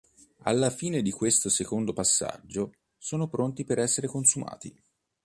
Alla fine di questo secondo passaggio sono pronti per essere consumati.